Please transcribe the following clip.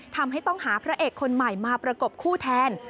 ทำให้ต้องหาพระเอกคนใหม่มาประกบคู่แทน